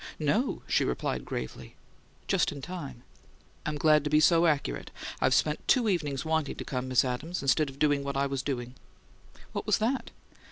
"No," she replied, gravely. "Just in time!" "I'm glad to be so accurate; I've spent two evenings wanting to come, Miss Adams, instead of doing what I was doing." "What was that?"